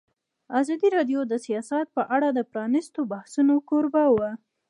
ازادي راډیو د سیاست په اړه د پرانیستو بحثونو کوربه وه.